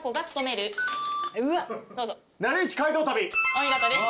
お見事です。